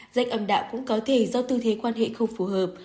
danh âm đạo cũng có thể do tư thế quan hệ không phù hợp